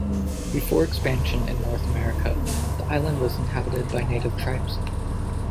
Before expansion in North America, the island was inhabited by native tribes.